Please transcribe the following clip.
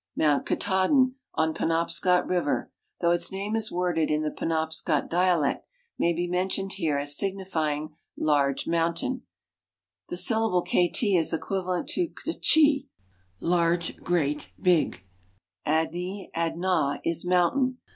Mount Katahdiu, on Penobscot river, thoii<:;h its name is worded in thr Penobscot dialect, may be mentioned here as signifying "large moun tain;" tiie syllable kt is equivalent to ktchi, " large, great, big; " ad'ne, ad'na, is "mountain."